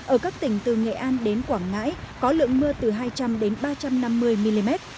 ở các tỉnh từ nghệ an đến quảng ngãi có lượng mưa từ hai trăm linh đến ba trăm năm mươi mm